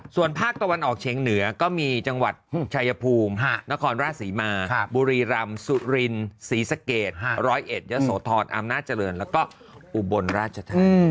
ส่วนภาคตะวันออกเฉียงเหนือก็มีจังหวัดชายภูมินครราชศรีมาบุรีรำสุรินศรีสะเกดร้อยเอ็ดยะโสธรอำนาจเจริญแล้วก็อุบลราชธานี